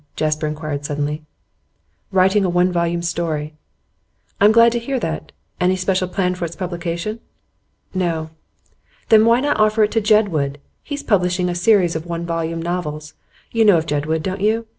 Jasper inquired suddenly. 'Writing a one volume story.' 'I'm glad to hear that. Any special plan for its publication?' 'No.' 'Then why not offer it to Jedwood? He's publishing a series of one volume novels. You know of Jedwood, don't you?